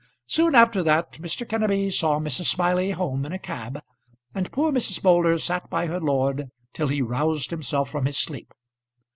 Soon after that Mr. Kenneby saw Mrs. Smiley home in a cab, and poor Mrs. Moulder sat by her lord till he roused himself from his sleep.